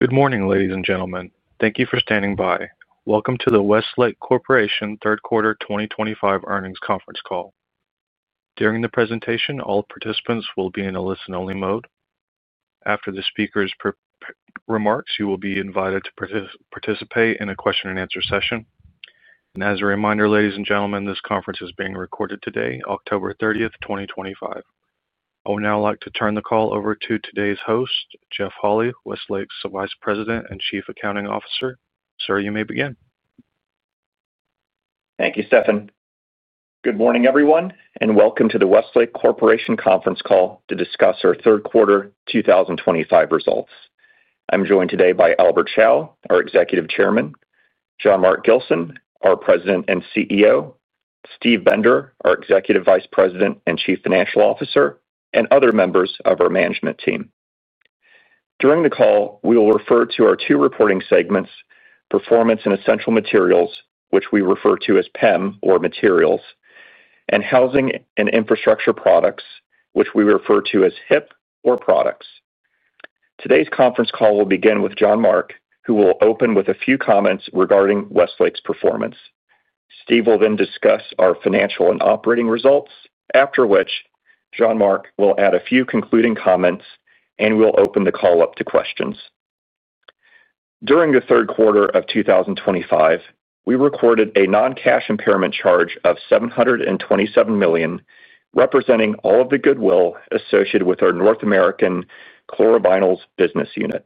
Good morning, ladies and gentlemen. Thank you for standing by. Welcome to the Westlake Corporation third quarter 2025 earnings conference call. During the presentation, all participants will be in a listen-only mode. After the speaker's remarks, you will be invited to participate in a question and answer session. As a reminder, ladies and gentlemen, this conference is being recorded today, October 30, 2025. I would now like to turn the call over to today's host, Jeff Holy, Westlake's Vice President and Chief Accounting Officer. Sir, you may begin. Thank you, Stefan. Good morning everyone and welcome to the Westlake Corporation conference call to discuss our third quarter 2025 results. I'm joined today by Albert Chao, our Executive Chairman, Jean-Marc Gilson, our President and CEO, Steve Bender, our Executive Vice President and Chief Financial Officer, and other members of our management team. During the call, we will refer to our two reporting segments, Performance and Essential Materials, which we refer to as PEM or materials, and Housing and Infrastructure Products, which we refer to as HIP or products. Today's conference call will begin with Jean-Marc, who will open with a few comments regarding Westlake's performance. Steve will then discuss our financial and operating results, after which Jean-Marc will add a few concluding comments and we'll open the call up to questions. During the third quarter of 2025, we recorded a non-cash impairment charge of $727 million representing all of the goodwill associated with our North American chlorovinyls business unit.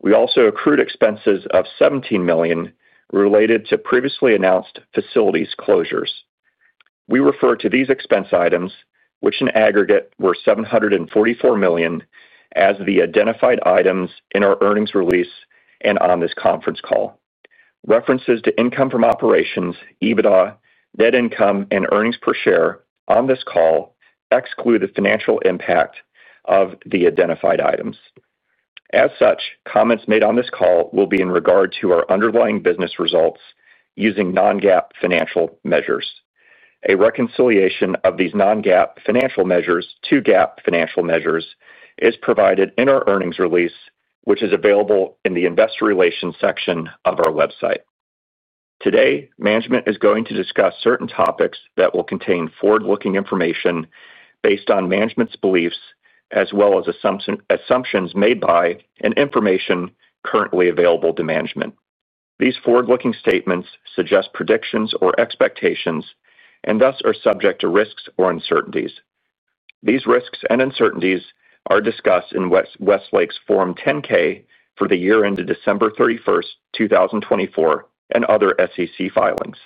We also accrued expenses of $17 million related to previously announced facilities closures. We refer to these expense items, which in aggregate were $744 million, as the identified items in our earnings release and on this conference call. References to income from operations, EBITDA, net income, and earnings per share on this call exclude the financial impact of the identified items. As such, comments made on this call will be in regard to our underlying business results using non-GAAP financial measures. A reconciliation of these non-GAAP financial measures to GAAP financial measures is provided in our earnings release, which is available in the Investor Relations section of our website. Today, management is going to discuss certain topics that will contain forward-looking information based on management's beliefs as well as assumptions made by and information currently available to management. These forward-looking statements suggest predictions or expectations and thus are subject to risks or uncertainties. These risks and uncertainties are discussed in Westlake's Form 10-K for the year ended December 31st, 2024, and other SEC filings.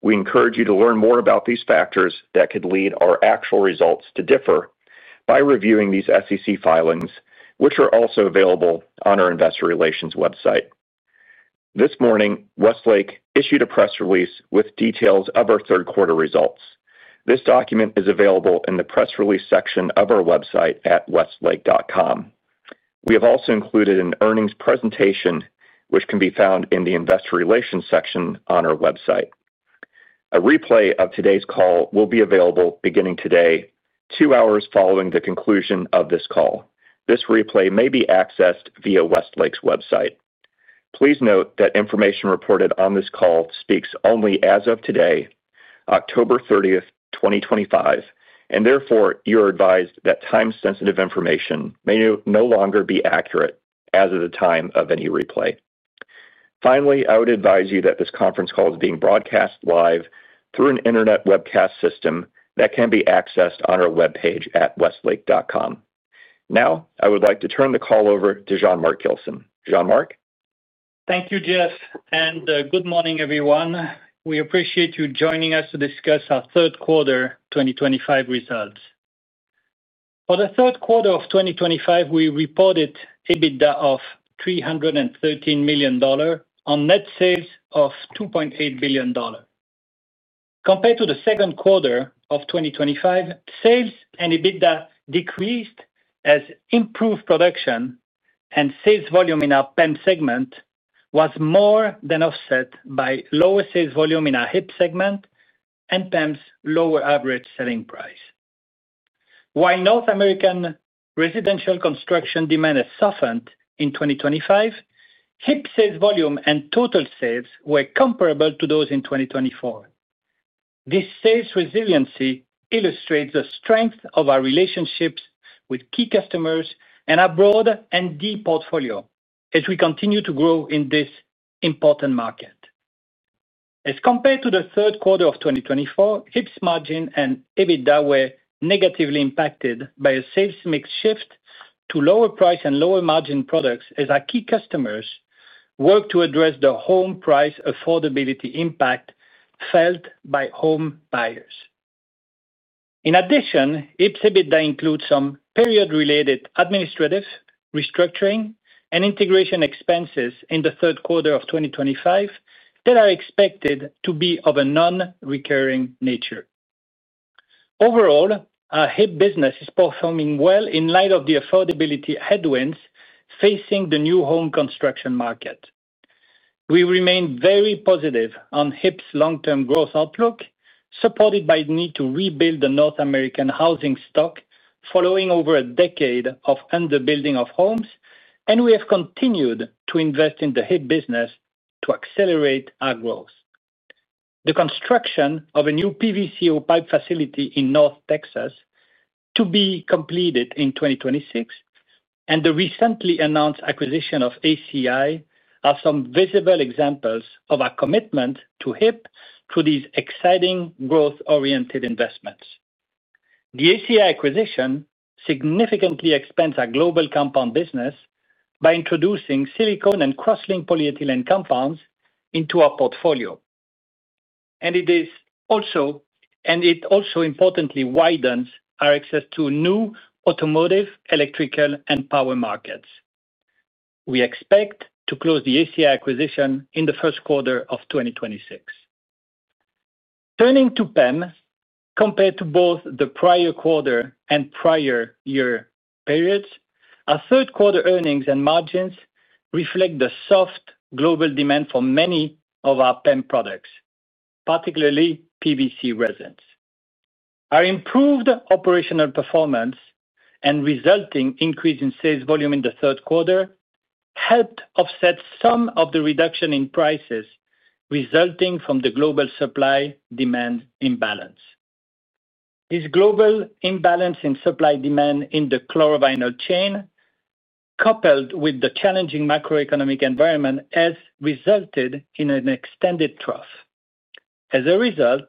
We encourage you to learn more about these factors that could lead our actual results to differ by reviewing these SEC filings, which are also available on our Investor Relations website. This morning, Westlake issued a press release with details of our third quarter results. This document is available in the press release section of our website at westlake.com. We have also included an earnings presentation, which can be found in the Investor Relations section on our website. A replay of today's call will be available beginning today, two hours following the conclusion of this call. This replay may be accessed via Westlake's website. Please note that information reported on this call speaks only as of today, October 30, 2025, and therefore you are advised that time sensitive information may no longer be accurate as of the time of any replay. Finally, I would advise you that this conference call is being broadcast live through an Internet webcast system that can be accessed on our webpage at westlake.com. Now I would like to turn the call over to Jean-Marc Gilson. Jean-Marc? Thank you Jeff, and good morning everyone. We appreciate you joining us to discuss our third quarter 2025 results. For the third quarter of 2025, we reported EBITDA of $313 million on net sales of $2.8 billion. Compared to the second quarter of 2025, sales and EBITDA decreased as improved production and sales volume in our PEM segment was more than offset by lower sales volume in our HIP segment and PEM's lower average selling price. While North American residential construction demand has softened in 2025, HIP sales volume and total sales were comparable to those in 2024. This sales resiliency illustrates the strength of our relationships with key customers and our broad and deep portfolio as we continue to grow in this important market. As compared to the third quarter of 2024, HIP's margin and EBITDA were negatively impacted by a sales mix shift to lower price and lower margin products as our key customers work to address the home price affordability impact felt by home buyers. In addition, HIP's EBITDA includes some period-related administrative, restructuring, and integration expenses in the third quarter of 2025 that are expected to be of a non-recurring nature. Overall, our HIP business is performing well in light of the affordability headwinds facing the new home construction market. We remain very positive on HIP's long-term growth outlook supported by the need to rebuild the North American housing stock following over a decade of underbuilding of homes, and we have continued to invest in the HIP business to accelerate our growth. The construction of a new PVCO pipe facility in North Texas to be completed in 2026 and the recently announced acquisition of ACI are some visible examples of our commitment to HIP through these exciting growth-oriented investments. The ACI acquisition significantly expands our global compound business by introducing silicone and crosslink polyethylene compounds into our portfolio, and it also importantly widens our access to new automotive, electrical, and power markets. We expect to close the ACI acquisition in the first quarter of 2026. Turning to PEM, compared to both the prior quarter and prior year periods, our third quarter earnings and margins reflect the softer global demand for many of our PEM products, particularly PVC resins. Our improved operational performance and resulting increase in sales volume in the third quarter helped offset some of the reduction in prices resulting from the global supply demand imbalance. This global imbalance in supply demand in the chlorovinyl chain, coupled with the challenging macroeconomic environment, has resulted in an extended trough. As a result,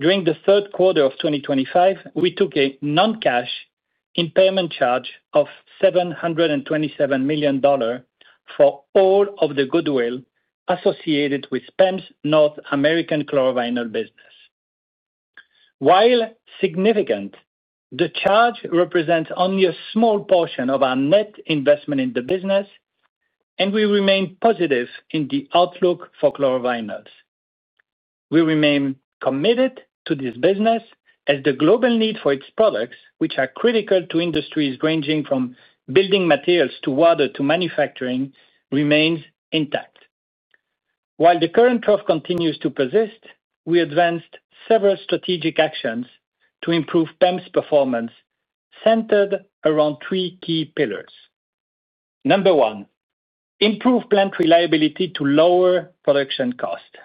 during the third quarter of 2025, we took a non-cash impairment charge of $727 million for all of the goodwill associated with PEM's North American chlorovinyl business. While significant, the charge represents only a small portion of our net investment in the business, and we remain positive in the outlook for chlorovinyls. We remain committed to this business as the global need for its products, which are critical to industries ranging from building materials to water to manufacturing, remains intact while the current trough continues to persist. We advanced several strategic actions to improve PEM's performance centered around three key pillars. Number one, improve plant reliability to lower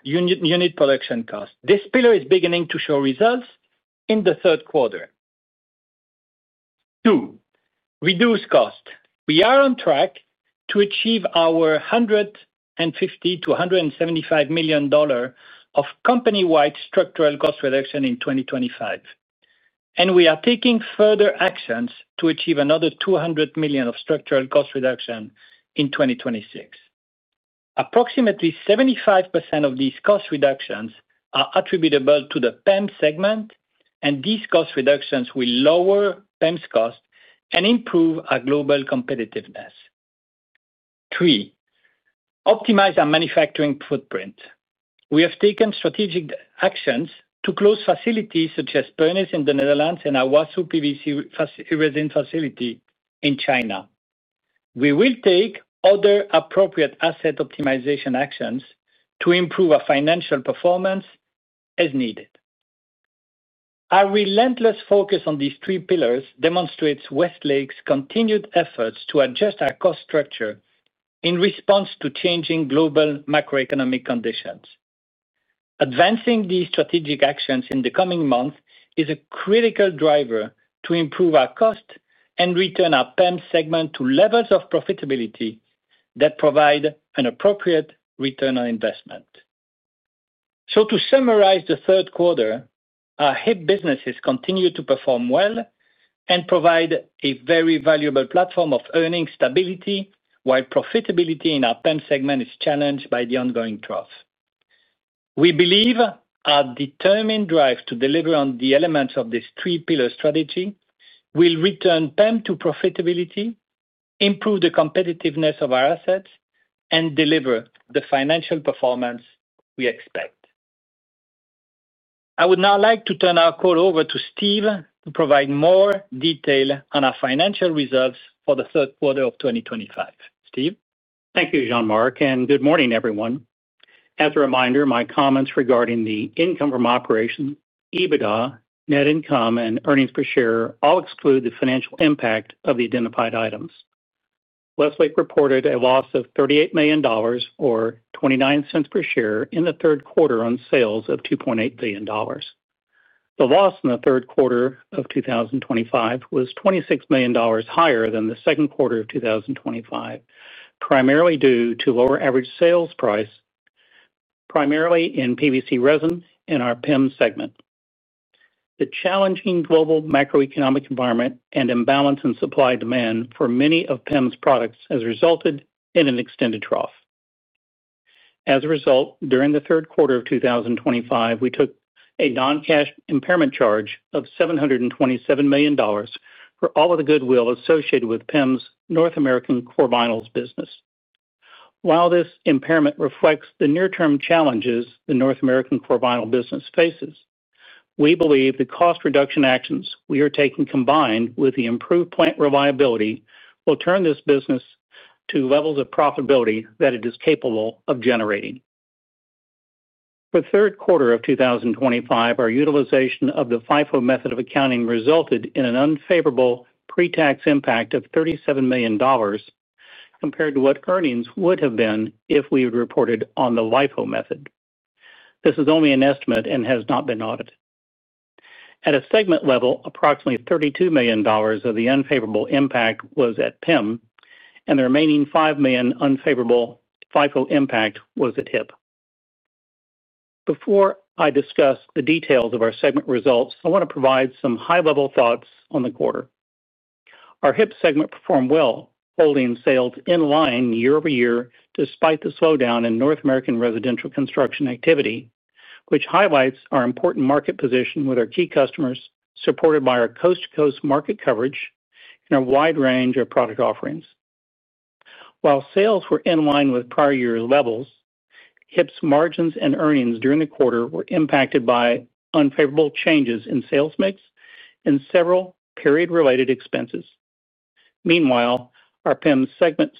unit production cost. This pillar is beginning to show results in the third quarter. Two, reduce cost. We are on track to achieve our $100 million to $175 million of company-wide structural cost reduction in 2025, and we are taking further actions to achieve another $200 million of structural cost reduction in 2026. Approximately 75% of these cost reductions are attributable to the PEM segment, and these cost reductions will lower PEM's cost and improve our global competitiveness. Three optimize our manufacturing footprint, we have taken strategic actions to close facilities such as Pernis in the Netherlands and our Wusu PVC resin facility in China. We will take other appropriate asset optimization actions to improve our financial performance as needed. Our relentless focus on these three pillars demonstrates Westlake's continued efforts to adjust our cost structure in response to changing global macroeconomic conditions. Advancing these strategic actions in the coming months is a critical driver to improve our cost and return our PEM segment to levels of profitability that provide an appropriate return on investment. To summarize the third quarter, our HIP businesses continue to perform well and provide a very valuable platform of earnings stability. While profitability in our PEM segment is challenged by the ongoing trough, we believe our determined drive to deliver on the elements of this three pillar strategy will return PEM to profitability, improve the competitiveness of our assets, and deliver the financial performance we expect. I would now like to turn our call over to Steve to provide more detail on our financial results for the third quarter of 2025. Steve? Thank you, Jean-Marc, and good morning, everyone. As a reminder, my comments regarding the income from operations, EBITDA, net income, and earnings per share all exclude the financial impact of the identified items. Westlake reported a loss of $38 million, or $0.29 per share, in the third quarter on sales of $2.8 billion. The loss in the third quarter of 2025 was $26 million higher than the second quarter of 2025, primarily due to lower average sales price, primarily in PVC resin. In our PEM segment, the challenging global macroeconomic environment and imbalance in supply and demand for many of PEM's products has resulted in an extended trough. As a result, during the third quarter of 2025, we took a non-cash impairment charge of $727 million for all of the goodwill associated with PEM's North American core Vinyls business. While this impairment reflects the near-term challenges the North American core Vinyls business faces, we believe the cost reduction actions we are taking, combined with the improved plant reliability, will turn this business to levels of profitability that it is capable of generating for the third quarter of 2025. Our utilization of the FIFO method of accounting resulted in an unfavorable pre-tax impact of $37 million compared to what earnings would have been if we had reported on the LIFO method. This is only an estimate and has not been audited at a segment level. Approximately $32 million of the unfavorable impact was at PEM, and the remaining $5 million unfavorable FIFO impact was at HIP. Before I discuss the details of our segment results, I want to provide some high-level thoughts on the quarter. Our HIP segment performed well, holding sales in line year-over-year despite the slowdown in North American residential construction activity, which highlights our important market position with our key customers, supported by our coast-to-coast market coverage in a wide range of product offerings. While sales were in line with prior year levels, HIP's margins and earnings during the quarter were impacted by unfavorable changes in sales mix and several period-related expenses. Meanwhile, our PEM segment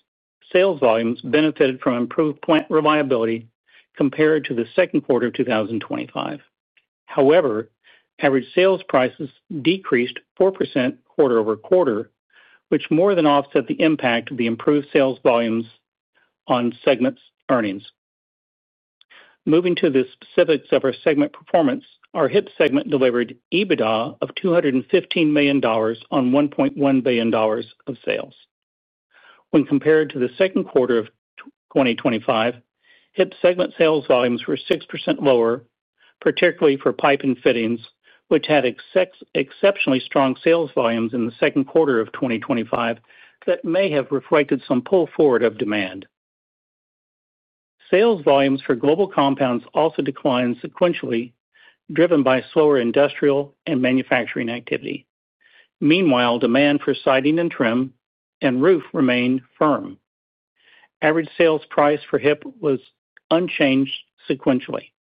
sales volumes benefited from improved plant reliability compared to the second quarter of 2025. However, average sales prices decreased 4% quarter-over-quarter, which more than offset the impact of the improved sales volumes on segment earnings. Moving to the specifics of our segment performance, our HIP segment delivered EBITDA of $215 million on $1.1 billion of sales. When compared to the second quarter of 2025, HIP segment sales volumes were 6% lower, particularly for pipe and fittings, which had exceptionally strong sales volumes in the second quarter that may have reflected some pull forward of demand. Sales volumes for global compounds also declined sequentially, driven by slower industrial and manufacturing activity. Meanwhile, demand for siding and trim and roof remained firm. Average sales price for HIP was unchanged sequentially.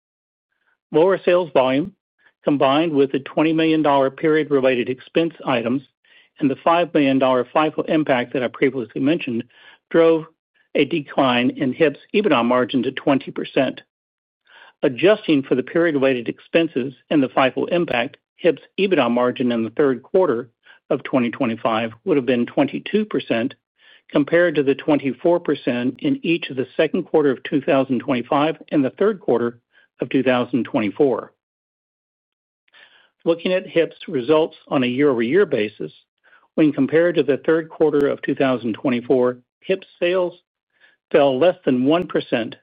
Lower sales volume combined with the $20 million period-related expense items and the $5 million FIFO impact that I previously mentioned drove a decline in HIP's EBITDA margin to 20%. Adjusting for the period-weighted expenses and the FIFO impact, HIP's EBITDA margin in the third quarter of 2025 would have been 22% compared to 24% in each of the second quarter of 2025 and the third quarter of 2024. Looking at HIP's results on a year-over-year basis, when compared to the third quarter of 2024, HIP's sales fell less than 1%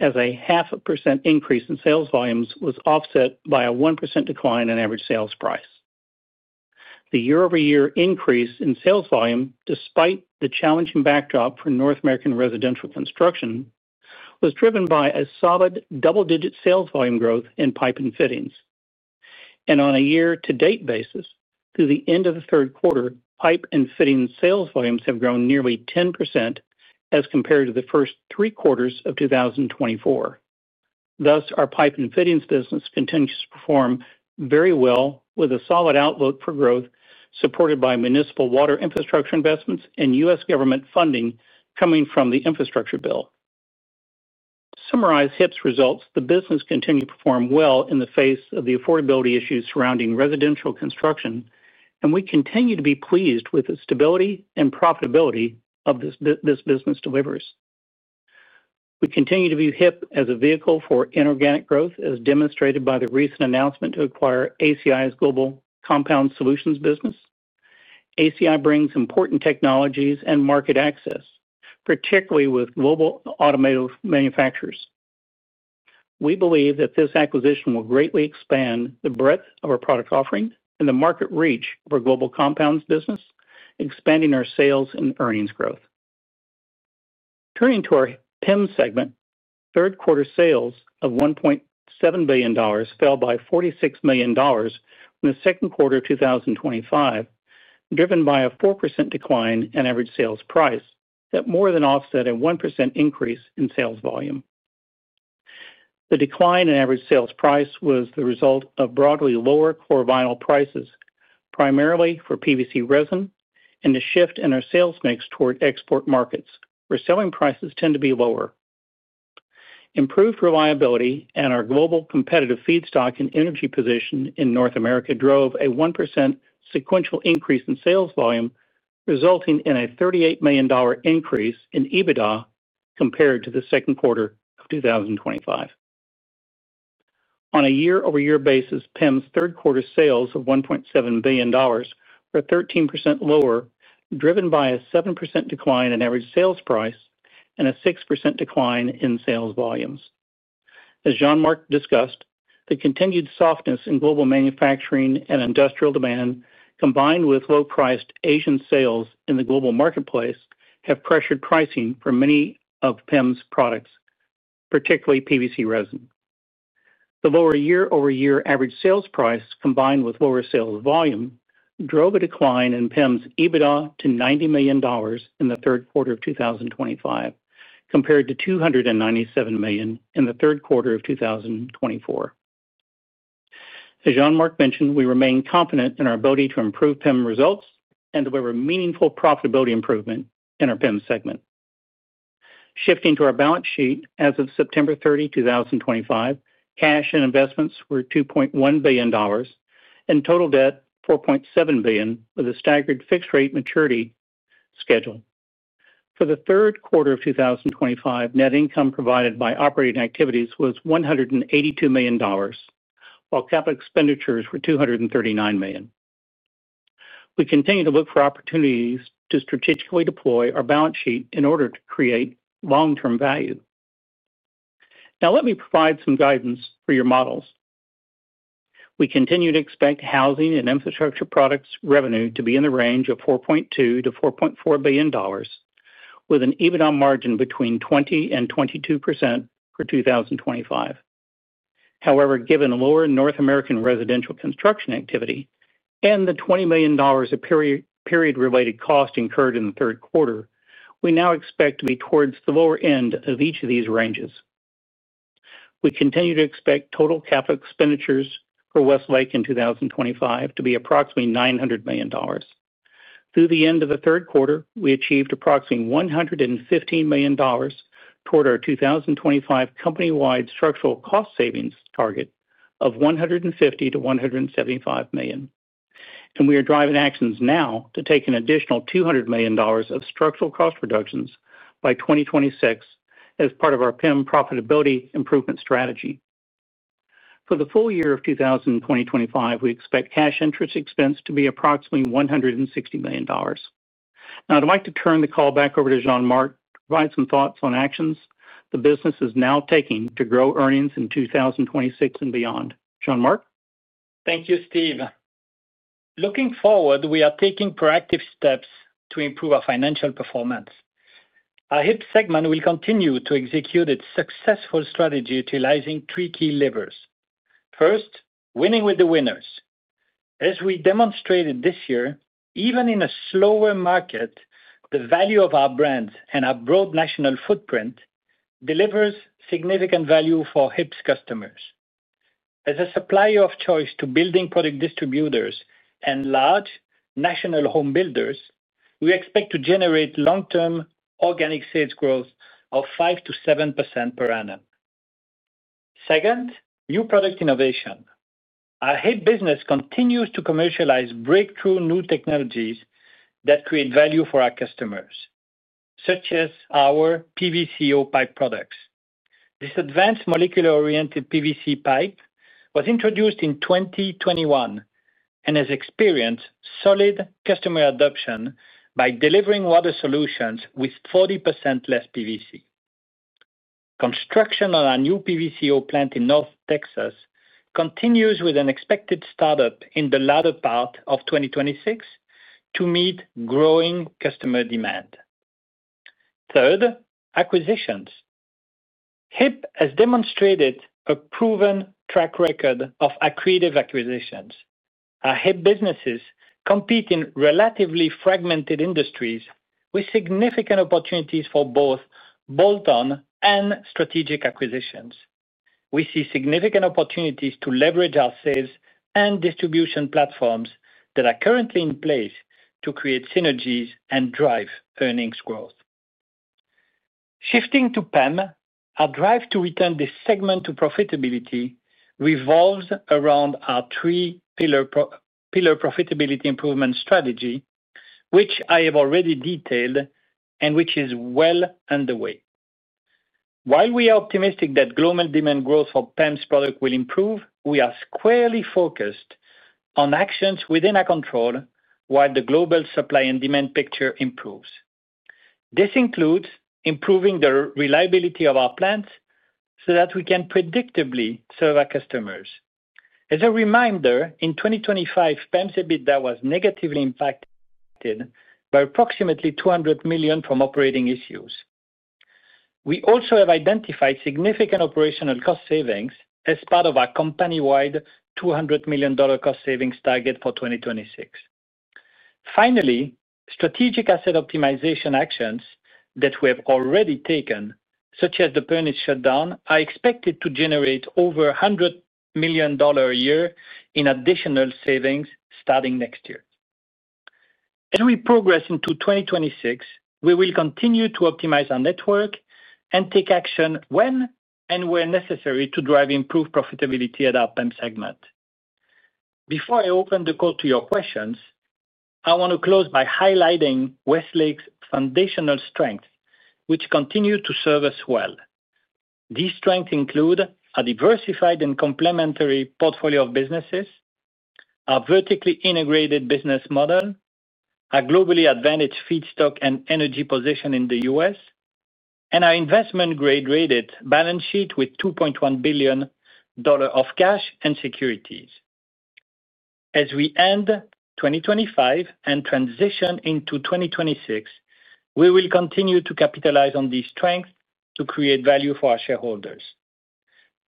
as a 0.5% increase in sales volumes was offset by a 1% decline in average sales price. The year-over-year increase in sales volume, despite the challenging backdrop for North American residential construction, was driven by a solid double-digit sales volume growth in pipe and fittings, and on a year-to-date basis through the end of the third quarter, pipe and fittings sales volumes have grown nearly 10% as compared to the first three quarters of 2024. Thus, our pipe and fittings business continues to perform very well with a solid outlook for growth supported by municipal water infrastructure investments and U.S. government funding coming from the infrastructure bill. To summarize HIP's results, the business continues to perform well in the face of the affordability issues surrounding residential construction, and we continue to be pleased with the stability and profitability this business delivers. We continue to view HIP as a vehicle for inorganic growth as demonstrated by the recent announcement to acquire ACI's global compound solutions business. ACI brings important technologies and market access, particularly with global automotive manufacturers. We believe that this acquisition will greatly expand the breadth of our product offering and the market reach for global compounds business, expanding our sales and earnings growth. Turning to our PEM segment, third quarter sales of $1.7 billion fell by $46 million from the second quarter of 2025, driven by a 4% decline in average sales price that more than offset a 1% increase in sales volume. The decline in average sales price was the result of broadly lower core vinyl prices, primarily for PVC resin, and a shift in our sales mix toward export markets where selling prices tend to be lower. Improved reliability and our global competitive feedstock and energy position in North America drove a 1% sequential increase in sales volume, resulting in a $38 million increase in EBITDA compared to the second quarter of 2025. On a year-over-year basis, PEM's third quarter sales of $1.7 billion were 13% lower, driven by a 7% decline in average sales price and a 6% decline in sales volumes. As Jean-Marc Gilson discussed, the continued softness in global manufacturing and industrial demand combined with low-priced Asian sales in the global marketplace have pressured pricing for many of PEM's products, particularly PVC resin. The lower year-over-year average sales price combined with lower sales volume drove a decline in PEM's EBITDA to $90 million in the third quarter of 2025 compared to $297 million in the third quarter of 2024. As Jean-Marc Gilson mentioned, we remain confident in our ability to improve PEM results and deliver meaningful profitability improvement in our PEM segment. Shifting to our balance sheet, as of September 30, 2025, cash and investments were $2.1 billion and total debt was $4.7 billion with a staggered fixed rate maturity schedule for the third quarter of 2025. Net income provided by operating activities was $182 million while capital expenditures were $239 million. We continue to look for opportunities to strategically deploy our balance sheet in order to create long-term value. Now let me provide some guidance for your models. We continue to expect Housing and Infrastructure Products revenue to be in the range of $4.2 billion-$4.4 billion with an EBITDA margin between 20% and 22% for 2025. However, given lower North American residential construction activity and the $20 million of period-related cost incurred in the third quarter, we now expect to be towards the lower end of each of these ranges. We continue to expect total capital expenditures for Westlake in 2025 to be approximately $900 million. Through the end of the third quarter, we achieved approximately $115 million toward our 2025 company-wide structural savings target of $150 million-$175 million, and we are driving actions now to take an additional $200 million of structural cost reductions by 2026 as part of our PEM Profitability Improvement Strategy. For the full year of 2025, we expect cash interest expense to be approximately $160 million. Now I'd like to turn the call back over to Jean-Marc to provide some thoughts on actions the business is now taking to grow earnings in 2026 and beyond. Jean-Marc. Thank you, Steve. Looking forward, we are taking proactive steps to improve our financial performance. Our HIP segment will continue to execute its successful strategy utilizing three key levers. First, winning with the winners. As we demonstrated this year, even in a slower market, the value of our brands and our broad national footprint delivers significant value for HIP's customers. As a supplier of choice to building product distributors and large national home builders, we expect to generate long-term organic sales growth of 5%-7% per annum. Second, new product innovation. Our HIP business continues to commercialize breakthrough new technologies that create value for our customers, such as our PVCO pipe products. This advanced molecular oriented PVC pipe was introduced in 2021 and has experienced solid customer adoption by delivering water solutions with 40% less PVC. Construction on our new PVCO plant in North Texas continues with an expected startup in the latter part of 2026 to meet growing customer demand. Third, acquisitions. HIP has demonstrated a proven track record of accretive acquisitions. Our HIP businesses compete in relatively fragmented industries with significant opportunities for both bolt-on and strategic acquisitions. We see significant opportunities to leverage our sales and distribution platforms that are currently in place to create synergies and drive earnings growth. Shifting to PEM, our drive to return this segment to profitability revolves around our three-pillar profitability improvement strategy, which I have already detailed and which is well underway. While we are optimistic that global demand growth for PEM's product will improve, we are squarely focused on actions within our control while the global supply and demand picture improves. This includes improving the reliability of our plants so that we can predictably serve our customers. As a reminder, in 2025, PEM's EBITDA was negatively impacted by approximately $200 million from operating issues. We also have identified significant operational cost savings as part of our company-wide $200 million cost savings target for 2026. Finally, strategic asset optimization actions that we have already taken, such as the Pernis shutdown, are expected to generate over $100 million a year in additional savings starting next year. As we progress into 2026, we will continue to optimize our network and take action when and where necessary to drive improved profitability at our PEM segment. Before I open the call to your questions, I want to close by highlighting Westlake's foundational strengths, which continue to serve us well. These strengths include a diversified and complementary portfolio of businesses, a vertically integrated business model, a globally advantaged feedstock and energy position in the U.S., and our investment grade rated balance sheet with $2.1 billion of cash and securities. As we end 2025 and transition into 2026, we will continue to capitalize on these strengths to create value for our shareholders.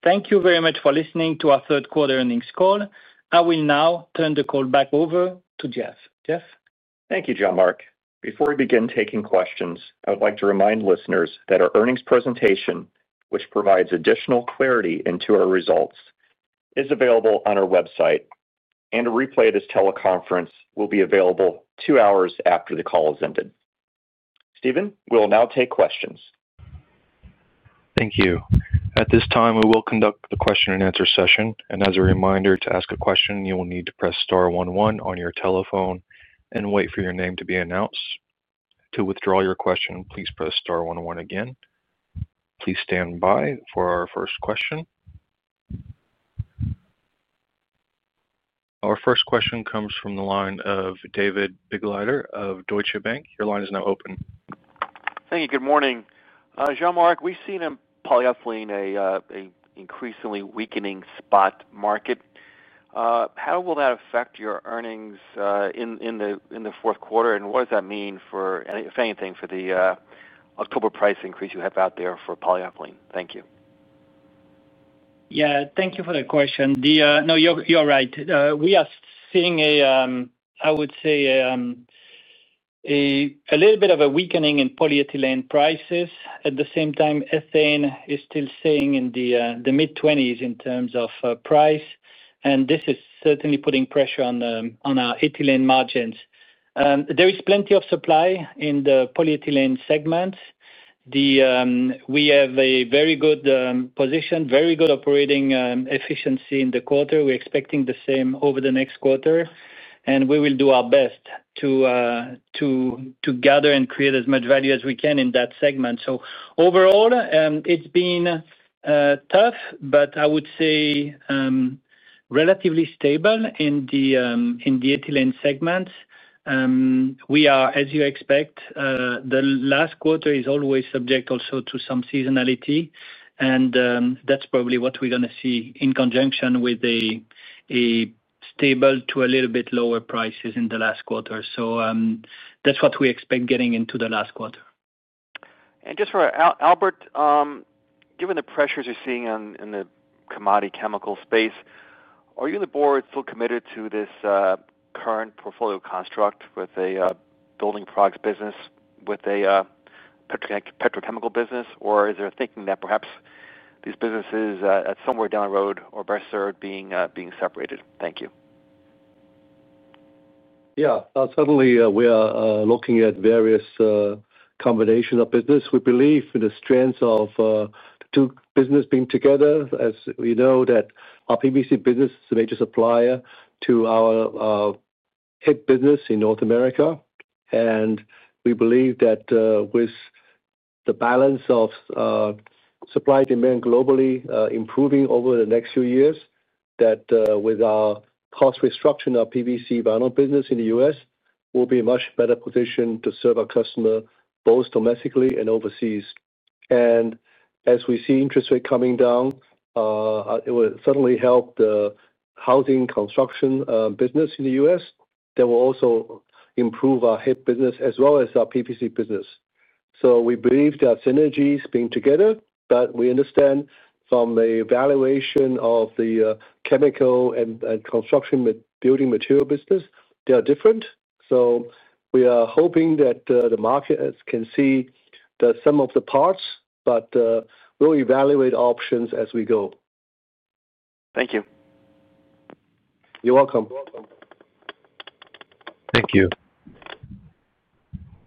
Thank you very much for listening to our third quarter earnings call. I will now turn the call back over to Jeff. Jeff? Thank you, Jean. Marc, before we begin taking questions, I would like to remind listeners that our earnings presentation, which provides additional clarity into our results, is available on our website, and a replay of this teleconference will be available two hours after the call has ended. Steven, we will now take questions. Thank you. At this time, we will conduct the question and answer session. As a reminder, to ask a question, you will need to press star one one on your telephone and wait for your name to be announced. To withdraw your question, please press star one one again. Please stand by for our first question. Our first question comes from the line of David Beaglehole of Deutsche Bank. Your line is now open. Thank you. Good morning, Jean-Marc, we've seen in polyethylene an increasingly weakening spot market. How will that affect your earnings in the fourth quarter? What does that mean, if anything, for the October price increase you have out there for polyethylene? Thank you. Yeah, thank you for the question. No, you're right. We are seeing, I would say, a little bit of a weakening in polyethylene prices. At the same time, ethane is still staying in the mid-$0.20s in terms of price, and this is certainly putting pressure on our ethylene margins. There is plenty of supply in the polyethylene segments. We have a very good position, very good operating efficiency in the quarter. We're expecting the same over the next quarter. We will do our best to gather and create as much value as we can in that segment. Overall, it's been tough, but I would say relatively stable in the polyethylene segments. As you expect, the last quarter is always subject also to some seasonality, and that's probably what we're going to see in conjunction with a stable to a little bit lower prices in the last quarter. That's what we expect getting into the last quarter. Given the pressures you're seeing in the commodity chemical space, are you, the board, still committed to this current portfolio construct with a building products business, with a petrochemical business, or is there a thinking that perhaps these businesses somewhere down the road are best served being separated? Thank you. Yeah, certainly we are looking at various combinations of business. We believe in the strength of two businesses being together. As we know that our PVC business is a major supplier to our HIP business in North America, and we believe that with the balance of supply and demand globally improving over the next few years, with our cost restructuring, our PVC vinyl business in the U.S. will be much better positioned to serve our customers both domestically and overseas. As we see interest rates coming down, it will certainly help the housing construction business in the U.S., which will also improve our HIP business as well as our PVC business. We believe that there are synergies being together, but we understand from the valuation of the chemical and construction building material business, they are different. We are hoping that the market. Can see some of the parts. We'll evaluate options as we go. Thank you. You're welcome. Thank you.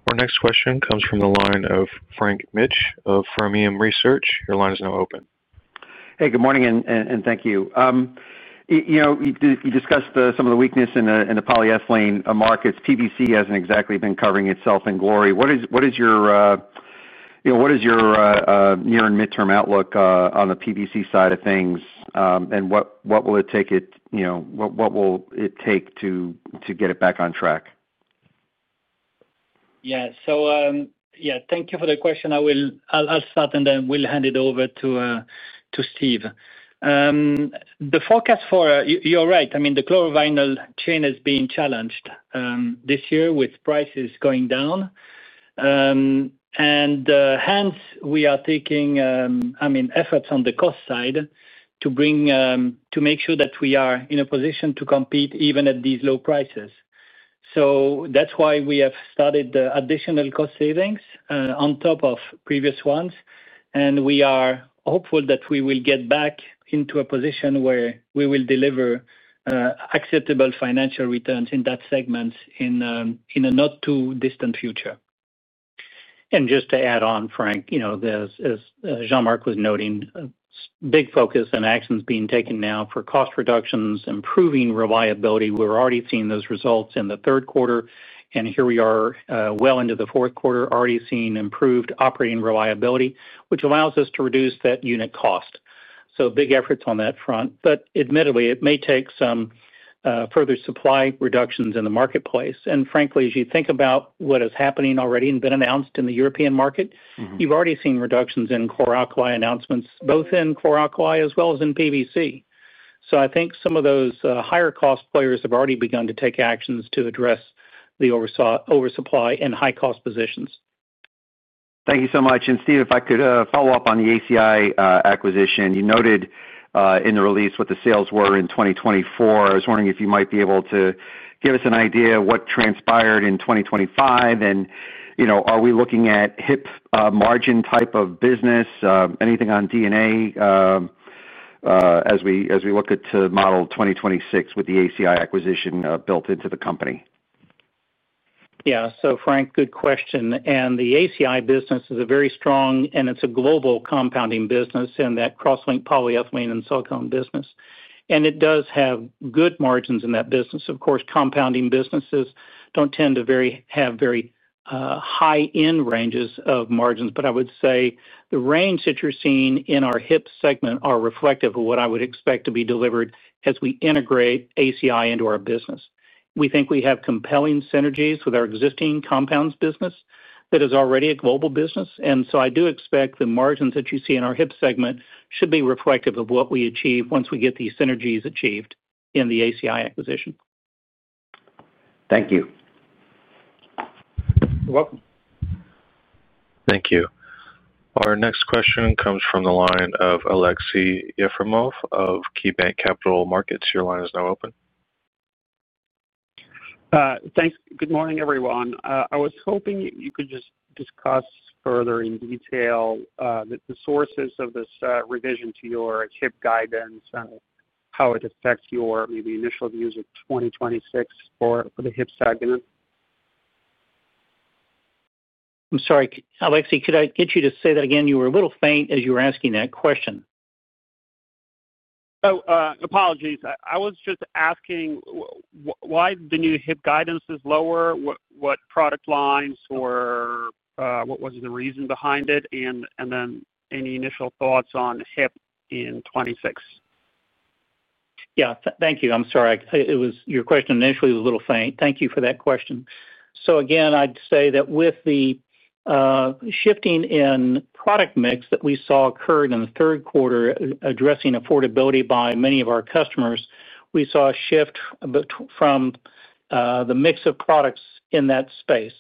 Our next question comes from the line of Frank Mitsch of Fermium Research. Your line is now open. Hey, good morning and thank you. You know, you discussed some of the weakness in the polyethylene markets. PVC hasn't exactly been covering itself in glory. What is your, you know, what is your near and midterm outlook on the PVC side of things? What will it take to get it back on track? Yeah, thank you for the question. I will start and then we'll hand it over to Steve. The forecast for—you're right, I mean the chlorovinyl chain is being challenged this year with prices going down. We are taking efforts on the cost side to make sure that we are in a position to compete even at these low prices. That is why we have started additional cost savings on top of previous ones. We are hopeful that we will get back into a position where we will deliver acceptable financial returns in that segment in a not too distant future. Just to add on, Frank, as Jean-Marc was noting, big focus and actions being taken now for cost reductions, improving reliability. We're already seeing those results in the third quarter. Here we are well into the fourth quarter already seeing improved operating reliability, which allows us to reduce that unit cost. Big efforts on that front. Admittedly, it may take some further supply reductions in the marketplace. Frankly, as you think about what is happening already and been announced in the European market, you've already seen reductions in core alkali announcements, both in core alkali as well as in PVC. I think some of those higher cost players have already begun to take actions to address the oversupply and high cost positions. Thank you so much. Steve, if I could follow up on the ACI acquisition. You noted in the release what the sales were in 2024. I was wondering if you might be able to give us an idea what transpired in 2025. Are we looking at HIP margin type of business? Anything on DNA. As we look at Model 2026 with the ACI acquisition built into the company? Yeah. Frank, good question. The ACI business is very strong and it's a global compounding business in that crosslink, polyethylene and silicone business. It does have good margins in that business. Of course, compounding businesses don't tend to have very high end ranges of margins, but I would say the range that you're seeing in our HIP segment are reflective of what I would expect to be delivered as we integrate ACI into our business. We think we have compelling synergies with our existing compounds business that is already a global business. I do expect the margins that you see in our HIP segment should be reflective of what we achieve once we get these synergies achieved in the ACI acquisition. Thank you. You're welcome. Thank you. Our next question comes from the line of Aleksey Yefremov of KeyBanc Capital Markets. Your line is now open. Thanks. Good morning everyone. I was hoping you could just discuss further in detail the sources of this revision to your HIP guidance, how it affects your maybe initial views of 2026 for the HIP segment. I'm sorry, Aleksey, could I get you to say that again? You were a little faint as you were asking that question. Apologies. I was just asking why the new HIP guidance is lower. What product lines or what was the reason behind it? Any initial thoughts on HIP in 2026? Thank you. I'm sorry, your question initially was a little faint. Thank you for that question. I'd say that with the shifting in product mix that we saw occurred in the third quarter, addressing affordability bonds many of our customers, we saw a shift from the mix of products in that space.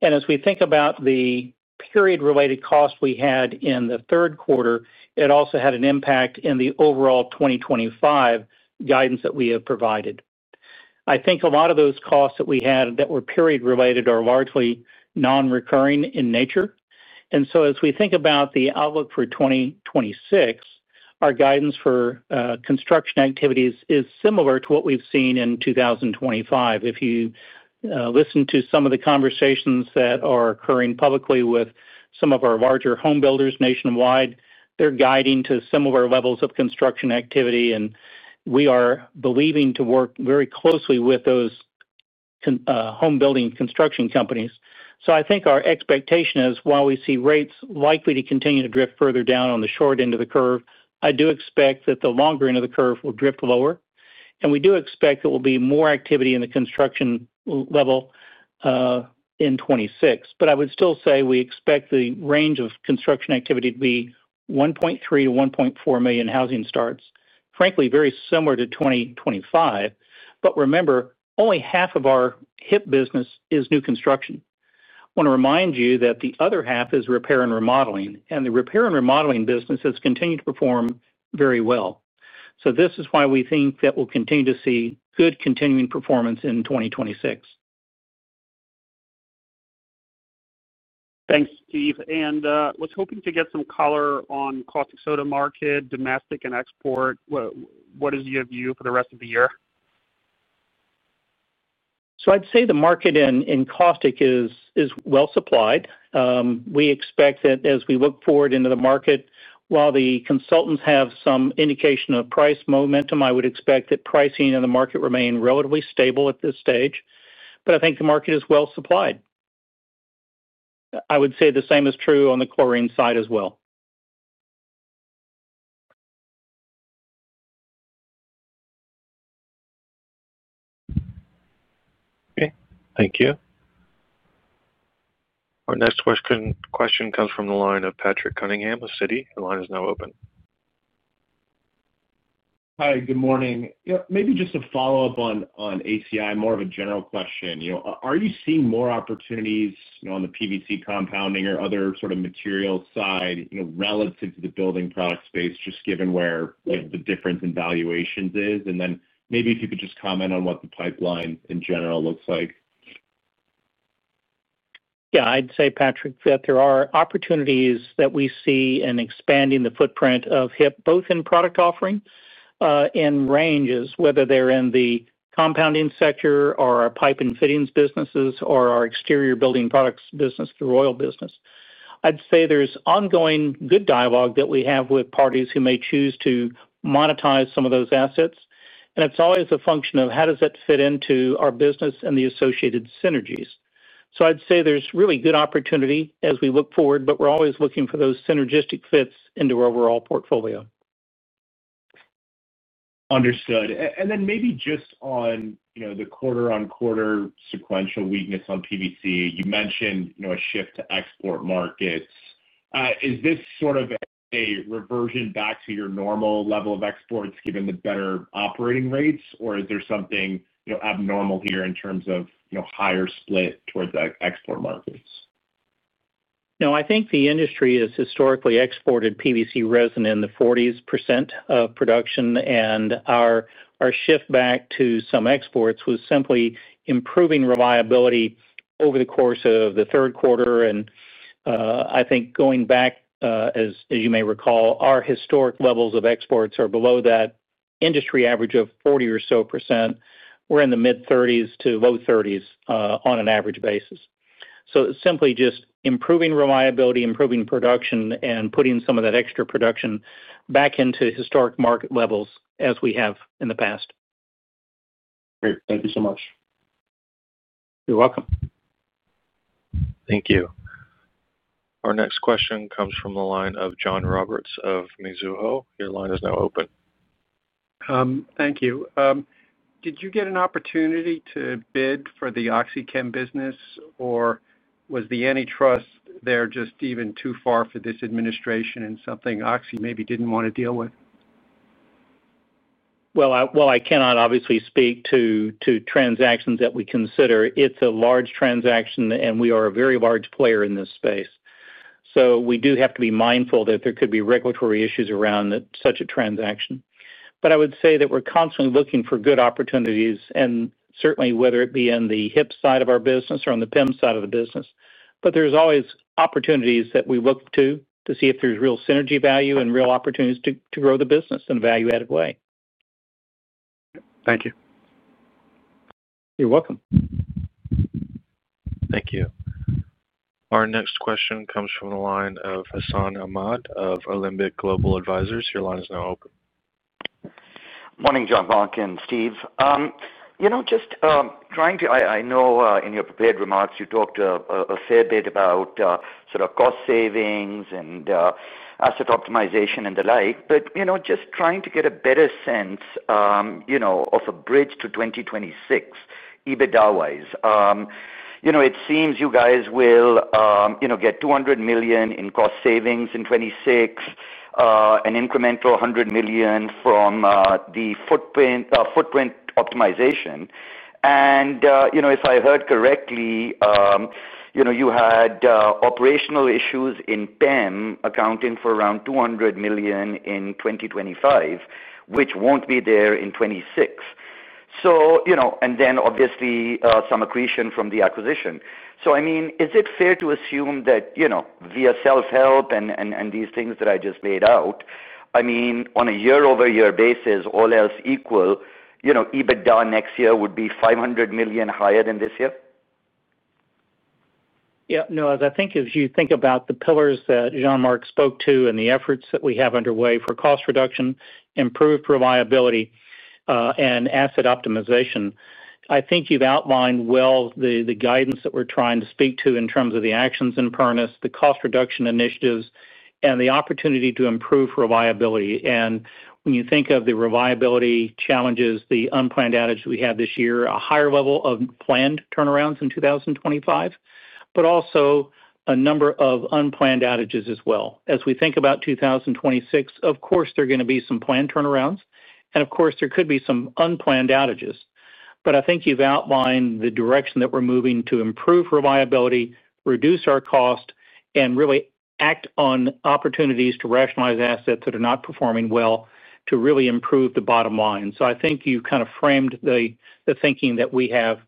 As we think about the period related cost we had in the third quarter, it also had an impact in the overall 2025 guidance that we have provided. I think a lot of those costs that we had that were period related are largely non-recurring in nature. As we think about the outlook for 2026, our guidance for construction activities is similar to what we've seen in 2025. If you listen to some of the conversations that are occurring publicly with some of our larger home builders nationwide, they're guiding to some of our levels of construction activity and we are believing to work very closely with those home building construction companies. I think our expectation is while we see rates likely to continue to drift further down on the short end of the curve, I do expect that the longer end of the curve will drift lower. We do expect there will be more activity in the construction level in 2026. I would still say we expect the range of construction activity to be 1.3 million-1.4 million housing starts, frankly, very similar to 2025. Remember, only half of our HIP business is new construction. I want to remind you that the other half is repair and remodeling. The repair and remodeling business has continued to perform very well. This is why we think that we'll continue to see good continuing performance in 2026. Thanks, Steve. Was hoping to get some color on caustic soda market, domestic and export. What is your view for the rest of the year? I'd say the market in caustic is well supplied. We expect that as we look forward into the market. While the consultants have some indication of price momentum, I would expect that pricing in the market remain relatively stable at this stage. I think the market is well supplied. I would say the same is true on the chlorine side as well. Okay, thank you. Our next question comes from the line of Patrick Cunningham of Citi. The line is now open. Hi, good morning. Maybe just a follow-up on ACI, more of a general question. Are you seeing more opportunities on the PVC compounding or other sort of material side relative to the building product space, just given where the difference in valuations is? If you could just comment on what the pipeline in general looks like. Yeah, I'd say, Patrick, that there are opportunities that we see in expanding the footprint of HIP both in product offering and ranges, whether they're in the compounding sector or our pipe and fittings businesses or our exterior building products business, the Royal business. I'd say there's ongoing good dialogue that we have with parties who may choose to monetize some of those assets. It's always a function of how does that fit into our business and the associated synergies. I'd say there's really good opportunity as we look forward, but we're always looking for those synergistic fits into our overall portfolio. Understood. Maybe just on the quarter, on quarter sequential weakness on PVC. You mentioned a shift to export markets. Is this sort of a reversion back to your normal level of exports given the better operating rates, or is there something abnormal here in terms of higher split towards export markets? I think the industry has historically exported PVC resin in the 40% of production. Our shift back to some exports was simply improving reliability over the course of the third quarter. I think going back, as you may recall, our historic levels of exports are below that industry average of 40% or so. We're in the mid-30% to low-30% on an average basis. Simply just improving reliability, improving production, and putting some of that extra production back into historic market levels as we have in the past. Great. Thank you so much. You're welcome. Thank you. Our next question comes from the line of John Roberts of Mizuho. Your line is now open. Thank you. Did you get an opportunity to bid for the OxyChem business, or was the antitrust there just even too far for you? This administration and something Oxy maybe didn't. I cannot obviously speak to transactions that we consider. It's a large transaction and we are a very large player in this space. We do have to be mindful that there could be regulatory issues around such a transaction. I would say that we're constantly looking for good opportunities, certainly whether it be in the HIP side of our business or on the PEM side of the business. There's always opportunities that we look to, to see if there's real synergy, value, and real opportunities to grow the business in a value-added way. Thank you. You're welcome. Thank you. Our next question comes from the line of Hassan Ahmed of Alembic Global Advisors. Your line is now open. Morning, Jean Marc and Steven. In your prepared remarks you talked a fair bit about sort of cost savings and asset optimization and the like. Just trying to get a better sense of a bridge to 2026 EBITDA wise. It seems you guys will get $200 million in cost savings in 2026, an incremental $100 million from the footprint optimization. If I heard correctly, you had operational issues in PEM accounting for around $200 million in 2025, which won't be there in 2026, and obviously some accretion from the acquisition. Is it fair to assume that, via self help and these things that I just laid out, on a year over year basis, all else equal, EBITDA next year would be $500 million higher than this year? Yeah, no, as I think, as you think about the pillars that Jean-Marc spoke to and the efforts that we have underway for cost reduction, improved reliability, and asset optimization, I think you've outlined well the guidance that we're trying to speak to in terms of the actions in Pernis, the cost reduction initiatives, and the opportunity to improve reliability. When you think of the reliability challenges, the unplanned outage we had this year, a higher level of planned turnarounds in 2025, but also a number of unplanned outages as well as we think about 2026, of course there are going to be some planned turnarounds and of course there could be some unplanned outages. I think you've outlined the direction that we're moving to improve reliability, reduce our cost, and really act on opportunities to rationalize assets that are not performing well, to really improve the bottom line. I think you kind of framed the thinking that we have.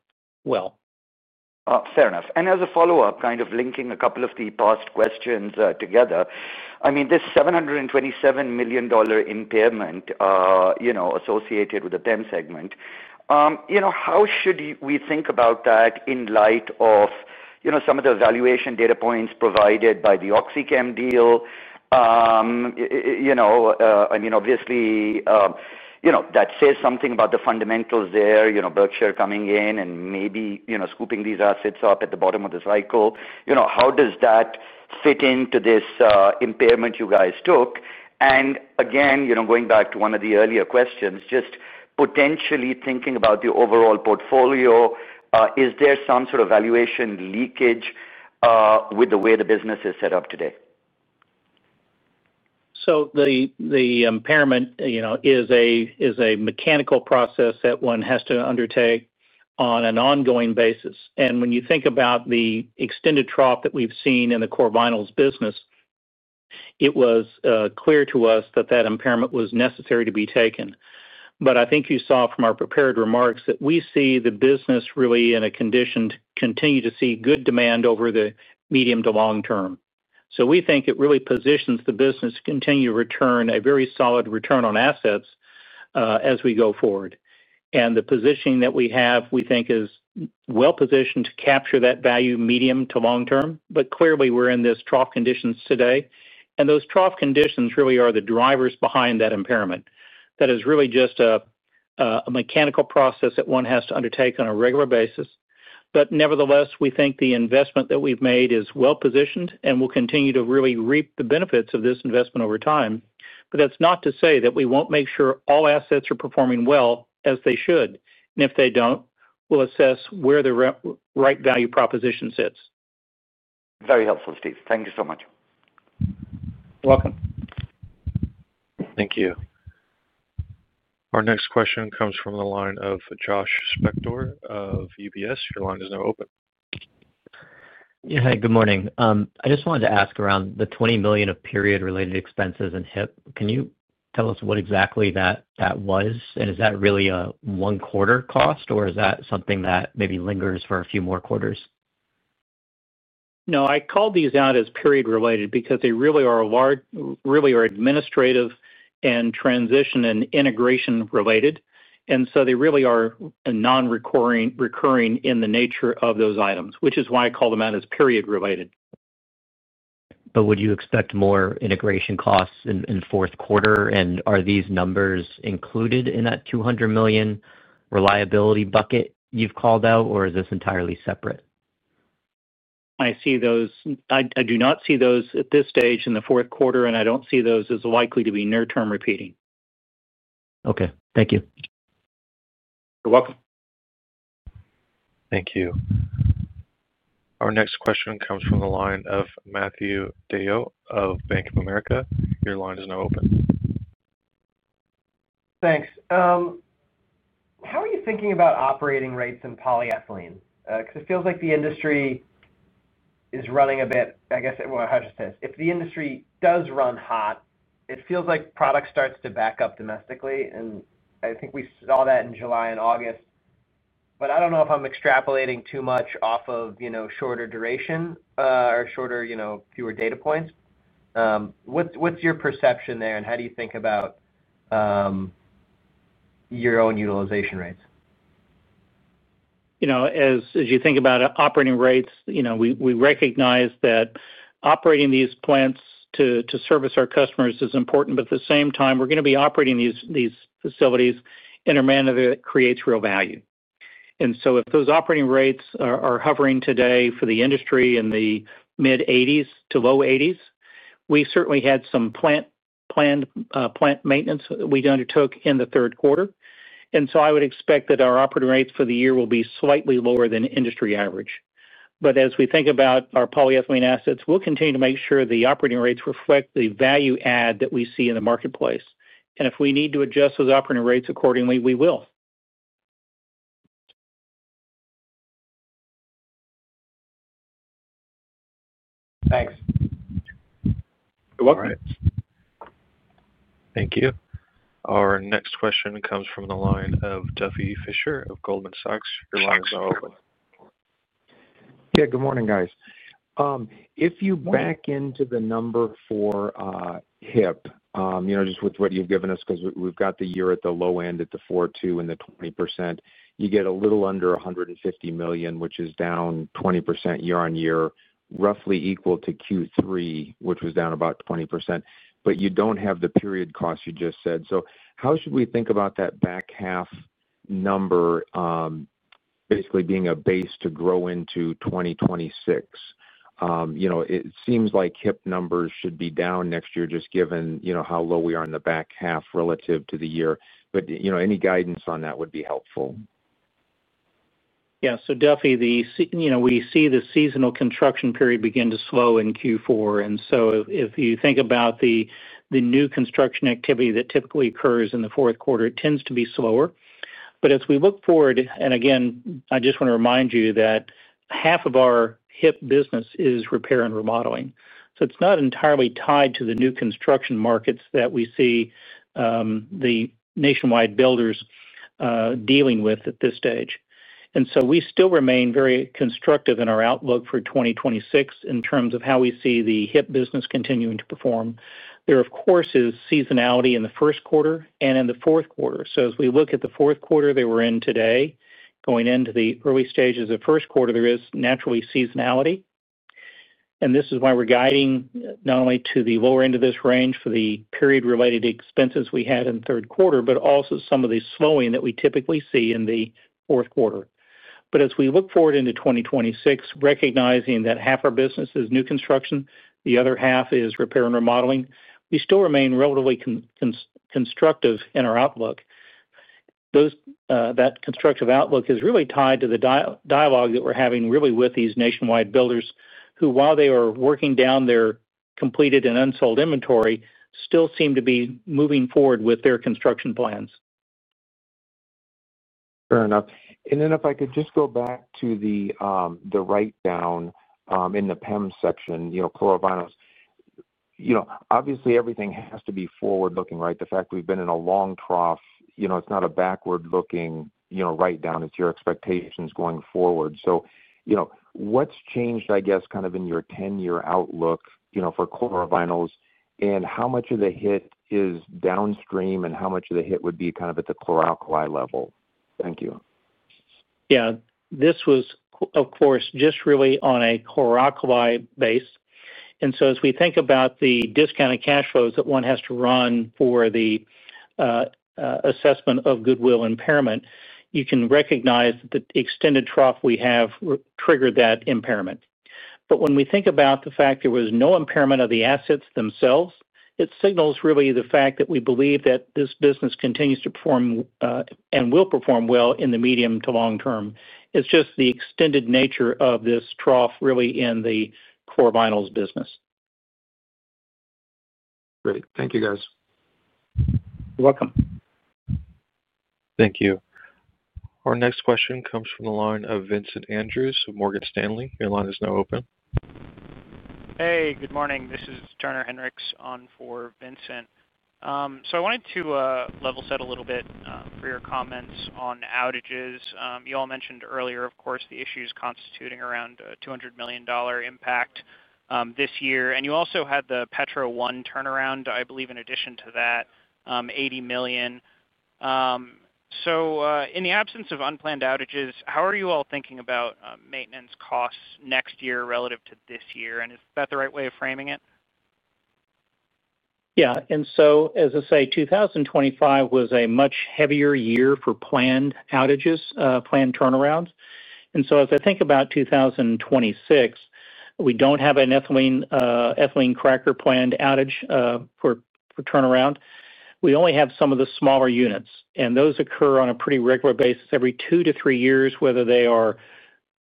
Fair enough. As a follow up, kind of linking a couple of the past questions together, this $727 million impairment associated with the PEM segment, how should we think about that in light of some of the valuation data points provided by the OxyChem deal? Obviously, that says something about the fundamentals there. Berkshire coming in and maybe scooping these assets up at the bottom of the cycle. How does that fit into this impairment you guys took? Again, going back to one of the earlier questions, just potentially thinking about the overall portfolio, is there some sort of valuation leakage with the way the business is set up today? The impairment is a mechanical process that one has to undertake on an ongoing basis. When you think about the extended trough that we've seen in the core vinyls business, it was clear to us that that impairment was necessary to be taken. I think you saw from our prepared remarks that we see the business really in a condition to continue to see good demand over the medium to long term. We think it really positions the business to continue to return a very solid return on assets as we go forward. The positioning that we have, we think, is well positioned to capture that value medium to long term. Clearly, we're in these trough conditions today and those trough conditions really are the drivers behind that impairment. That is really just a mechanical process that one has to undertake on a regular basis. Nevertheless, we think the investment that we've made is well positioned and will continue to really reap the benefits of this investment over time. That's not to say that we won't make sure all assets are performing well as they should. If they don't, we'll assess where the right value proposition sits. Very helpful. Steve, thank you so much. Welcome. Thank you. Our next question comes from the line of Josh Spector of UBS. Your line is now open. Yeah, good morning. I just wanted to ask around the $20 million of period related expenses in HIP. Can you tell us what exactly that was and is that really a one quarter cost or is that something that maybe lingers for a few more quarters? No, I called these out as period related because they really are administrative and transition and integration related. They really are non-recurring in the nature of those items, which is why I call them out as period related. Would you expect more integration costs in the fourth quarter? Are these numbers included in that $200 million reliability bucket you've called out or is this entirely separate? I do not see those at this stage in the fourth quarter and I don't see those as likely to be near term repeating. Okay. Thank you. Thank you. Our next question comes from the line of Matthew Blair of Bank of America. Your line is now open. Thanks. How are you thinking about operating rates in polyethylene? Because it feels like the industry is running a bit, I guess, how should I say this? If the industry does run hot, it feels like product starts to back up domestically. I think we saw that in July and August. I don't know if I'm extrapolating too much off of shorter duration or shorter, fewer data points. What's your perception there? How do you think about your own utilization rates. As you think about operating rates? We recognize that operating these plants to service our customers is important, but at the same time, we're going to be operating these facilities in a manner that creates real value. If those operating rates are hovering today for the industry in the mid-80% to low-80% range, we certainly had some planned plant maintenance we undertook in the third quarter. I would expect that our operating rates for the year will be slightly lower than the industry average. As we think about our polyethylene assets, we'll continue to make sure the operating rates reflect the value add that we see in the marketplace. If we need to adjust those operating rates accordingly, we will. Thanks. Thank you. Our next question comes from the line of Duffy Fischer of Goldman Sachs. Your line is now open. Yeah. Good morning, guys. If you back into the number four HIP, you know, just with what you've given us, because we've got the year at the low end at the front and the 20%, you get a little under $150 million, which is down 20% year-on-year, roughly equal to Q3, which was down about 20%. You don't have the period cost you just said. How should we think about that back half number basically being a base to grow into 2026? It seems like HIP numbers should be down next year, just given how low we are in the back half relative to the year. Any guidance on that would be helpful. Yeah. Duffy, we see the seasonal construction period begin to slow in Q4. If you think about the new construction activity that typically occurs in the fourth quarter, it tends to be slower. As we look forward, I just want to remind you that half of our HIP business is repair and remodeling, so it's not entirely tied to the new construction markets that we see the nationwide builders dealing with at this stage. We still remain very constructive in our outlook for 2026 in terms of how we see the HIP business continuing to perform. There, of course, is seasonality in the first quarter and in the fourth quarter. As we look at the fourth quarter that we're in today, going into the early stages of first quarter, there is naturally seasonality. This is why we're guiding not only to the lower end of this range for the period related expenses we had in third quarter, but also of the slowing that we typically see in the fourth quarter. As we look forward into 2026, recognizing that half our business is new construction, the other half is repair and remodeling, we still remain relatively constructive in our outlook. That constructive outlook is really tied to the dialogue that we're having with these nationwide builders who, while they are working down their completed and unsold inventory, still seem to be moving forward with their construction plans. Fair enough. If I could just go back to the write down in the PEM section, chlorovinyls. Obviously, everything has to be forward looking, right? The fact we've been in a long trough, it's not a backward looking write down, it's your expectations going forward. What's changed, I guess, kind of in your 10-year outlook for chlorovinyls and how much of the hit is downstream and how much of the hit would be at the chloralkali level? Thank you. Yeah, this was of course, just really on a Chloralkali base. As we think about the discounted cash flows that one has to run for the assessment of goodwill impairment, you can recognize that the extended trough we have triggered that impairment. When we think about the fact there was no impairment of the assets themselves, it signals really the fact that we believe that this business continues to perform and will perform well in the medium to long term. It's just the extended nature of this trough really in the core vinyls business. Great. Great. Thank you, guys. Welcome. Thank you. Our next question comes from the line of Vincent Andrews of Morgan Stanley. Your line is now open. Hey, good morning, this is Turner Hinrichs on for Vincent. I wanted to level set a little bit for your comments on outages. You all mentioned earlier, of course, the issues constituting around $200 million impact this year. You also had the Petro One turnaround, I believe, in addition to that, $80 million. In the absence of unplanned outages, how are you all thinking about maintenance costs next year relative to this year? Is that the right way of framing it? Yeah, as I say, 2025 was a much heavier year for planned outages, planned turnarounds. As I think about 2026, we don't have an ethylene cracker planned outage for turnaround. We only have some of the smaller units, and those occur on a pretty regular basis every two to three years, whether they are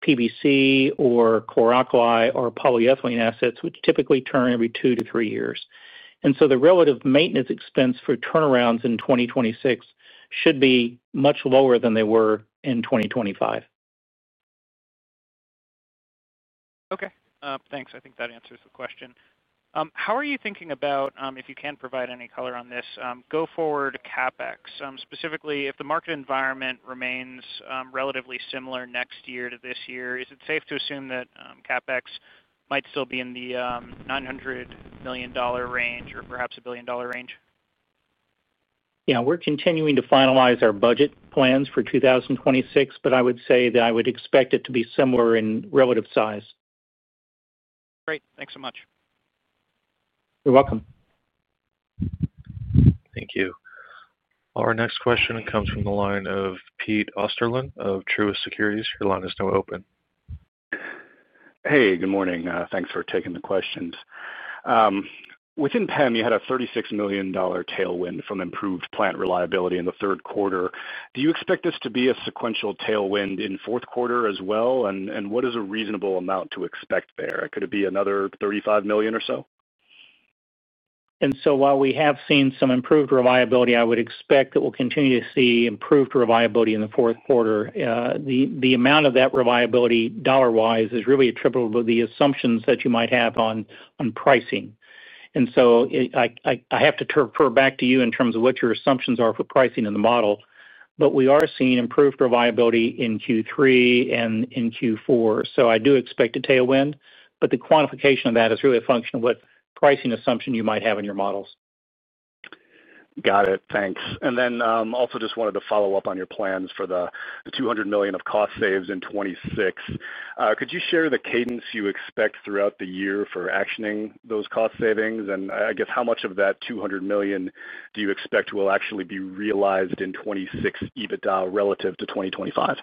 PVC or Chloralkali or polyethylene assets, which typically turn every two to three years. The relative maintenance expense for turnarounds in 2026 should be much lower than they were in 2025. Okay, thanks. I think that answers the question. How are you thinking about, if you can provide any color on this, go forward CapEx? Specifically, if the market environment remains relatively similar next year to this year, is it safe to assume that CapEx might still be in the $900 million range or perhaps a billion dollar range? Yeah, we're continuing to finalize our budget plans for 2026, but I would say that I would expect it to be similar in relative size. Great. Thanks so much. You're welcome. Thank you. Our next question comes from the line of Pete Osterland of Truist Securities. Your line is now open. Hey, good morning. Thanks for taking the questions. Within PEM, you had a $36 million tailwind from improved plant reliability in the third quarter. Do you expect this to be a sequential tailwind in the fourth quarter as well? What is a reasonable amount to expect to? Could it be another $35 million or so? While we have seen some improved reliability, I would expect that we'll continue to see improved reliability in the fourth quarter. The amount of that reliability dollar wise is really attributable to the assumptions that you might have on pricing. I have to refer back to you in terms of what your assumptions are for pricing in the model. We are seeing improved reliability in Q3 and in Q4. I do expect a tailwind, but the quantification of that is really a function of what pricing assumption you might have in your models. Got it. Thanks. I also just wanted to follow up on your plans for the $200 million of cost saves in 2026. Could you share the cadence you expect throughout the year for actioning those cost savings? I guess how much of that $200 million do you expect will actually be realized in 2026 EBITDA relative to 2025?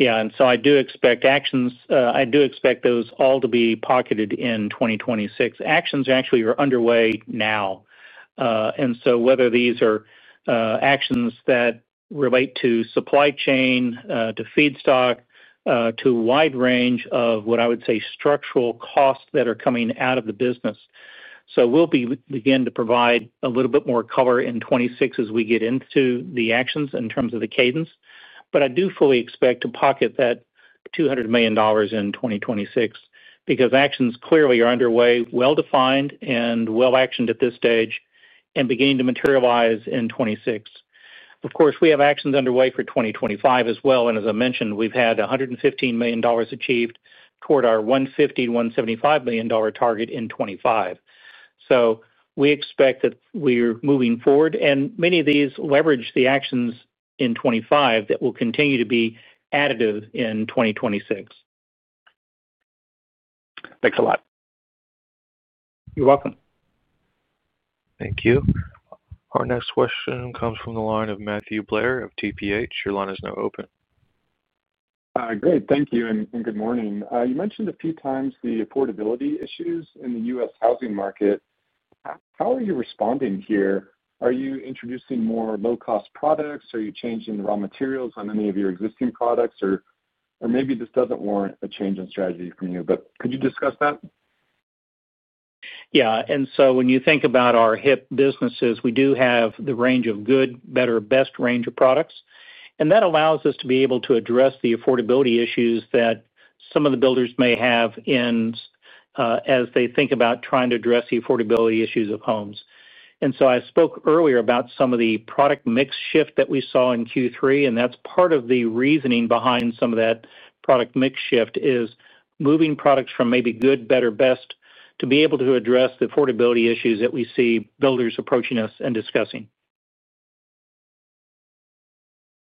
I do expect actions, I do expect those all to be pocketed in 2026. Actions actually are underway now. Whether these are actions that relate to supply chain, to feedstock, to a wide range of what I would say are structural costs that are coming out of the business, we'll begin to provide a little bit more color in 2026 as we get into the actions in terms of the cadence. I do fully expect to pocket that $200 million in 2026 because actions clearly are underway, well defined, and well actioned at this stage and beginning to materialize in 2026. Of course, we have actions underway for 2025 as well. As I mentioned, we've had $115 million achieved toward our $151 million, $75 million target in 2025. We expect that we are moving forward and many of these leverage the actions in 2025 that will continue to be additive in 2026. Thanks a lot. You're welcome. Thank you. Our next question comes from the line of Matthew Blair of TPH. Your line is now open. Great. Thank you and good morning. You mentioned a few times the affordability issues in the U.S. housing market. How are you responding here? Are you introducing more low cost products? Are you changing the raw materials on any of your existing products? Maybe this doesn't warrant a change in strategy from you, but could you discuss that? When you think about our HIP businesses, we do have the range of good, better, best range of products, and that allows us to be able to address the affordability issues that some of the builders may have as they think about trying to address the affordability issues of homes. I spoke earlier about some of the product mix shift that we saw in Q3, and that's part of the reasoning behind some of that product mix shift, moving products from maybe good, better, best to be able to address the affordability issues that we see builders approaching us and discussing.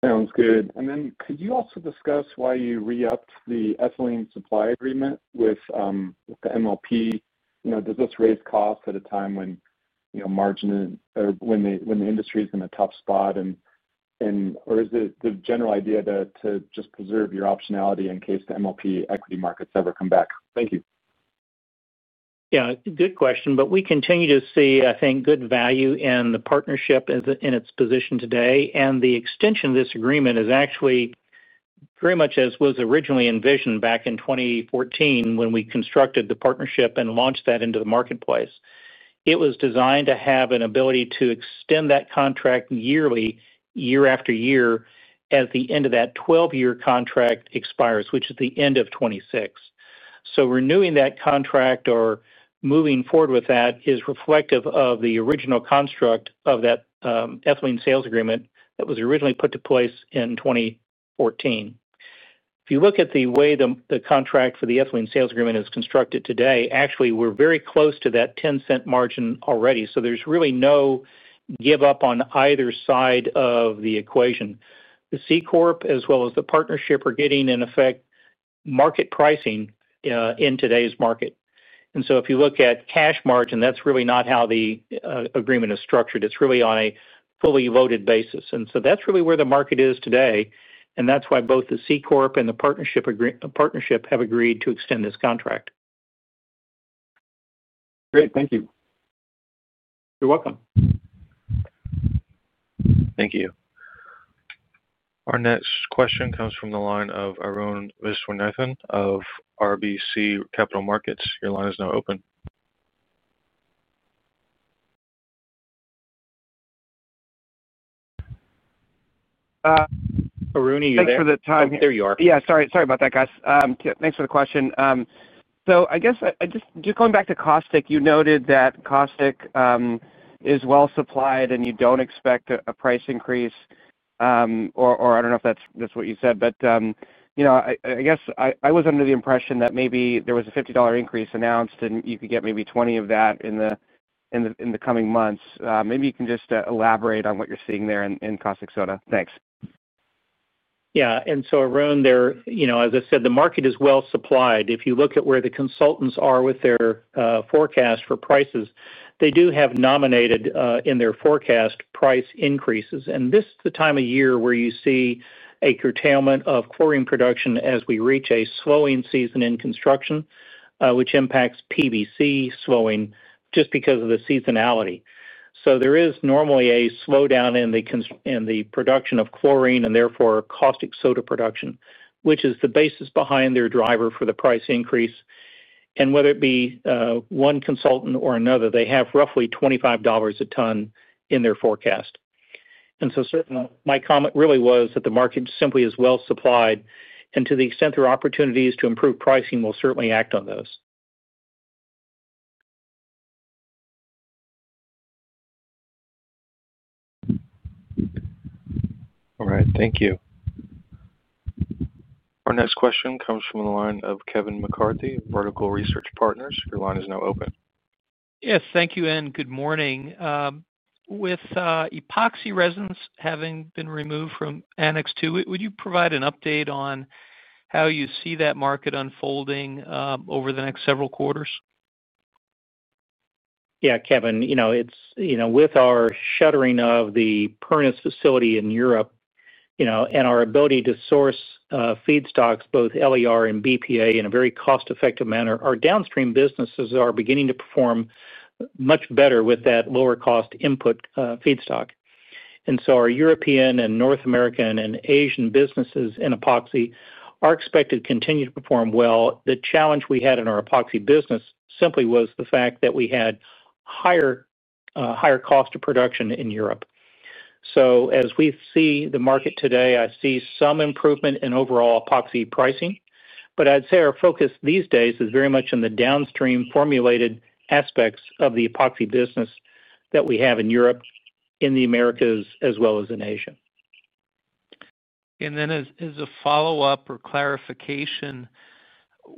Sounds good. Could you also discuss why. You re-upped the ethylene supply agreement with the MLP? Does this raise costs at a time when margin, when the industry is in a tough spot, or is it the general idea to just preserve your optionality in case the MLP equity markets ever come back? Thank you. Good question. We continue to see, I think, good value in the partnership in its position today. The extension of this agreement is actually very much as was originally envisioned back in 2014 when we constructed the partnership and launched that into the marketplace. It was designed to have an ability to extend that contract yearly, year after year, as the end of that 12-year contract expires, which is the end of 2026. Renewing that contract or moving forward with that is reflective of the original construct of that ethylene sales agreement that was originally put in place in 2014. If you look at the way the contract for the ethylene sales agreement is constructed today, actually we're very close to that $0.10 margin already. There's really no give up on either side of the equation. The C Corp as well as the partnership are getting, in effect, market pricing in today's market. If you look at cash margin, that's really not how the agreement is structured. It's really on a fully loaded basis. That's really where the market is today. That's why both the C Corp and the partnership have agreed to extend this contract. Great. Thank you. You're welcome. Thank you. Our next question comes from the line of Arun Viswanathan of RBC Capital Markets. Your line is now open. Thanks for the time. Sorry about that, guys. Thanks for the question. I guess just going back to caustic soda, you noted that caustic soda is well supplied and you don't expect a price increase. I don't know if that's what you said, but I guess I was under the impression that maybe there was a $50 increase announced, and you could get Maybe 20 of that in the coming months. Maybe you can just elaborate on what you're seeing there in caustic soda. Thanks. Yeah. Arun, as I said, the market is well supplied. If you look at where the consultants are with their forecast for prices, they do have nominated in their forecast price increases. This is the time of year where you see a curtailment of chlorine production as we reach a slowing season in construction, which impacts PVC slowing just because of the seasonality. There is normally a slowdown in the production of chlorine and therefore caustic soda production, which is the basis behind their driver for the price increase. Whether it be one consultant or another, they have roughly $25 a ton in their forecast. Certainly, my comment really was that the market simply is well supplied. To the extent there are opportunities to improve pricing, we'll certainly act on those. All right, thank you. Our next question comes from the line of Kevin McCarthy, Vertical Research Partners. Your line is now open. Yes, thank you. Good morning. With epoxy resins having been removed from Annex 2, would you provide an update on how you see that market unfolding over the next several quarters? Yeah, Kevin, with our shuttering of the Pernis facility in Europe and our ability to source feedstocks, both LER and BPA, in a very cost-effective manner, our downstream businesses are beginning to perform much better with that lower cost input feedstock. Our European, North American, and Asian businesses in epoxy are expected to continue to perform well. The challenge we had in our epoxy business simply was the fact that we had higher cost of production in Europe. As we see the market today, I see some improvement in overall epoxy pricing. I'd say our focus these days is very much in the downstream formulated aspects of the epoxy business that we have in Europe, in the Americas, as well as in Asia. As a follow-up or clarification,